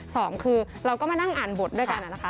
สองคือเราก็มานั่งอ่านบทด้วยกันนะคะ